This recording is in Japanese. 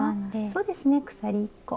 そうですね鎖１個。